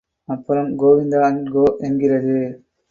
அப்புறம் Govinda and co என்கிறது.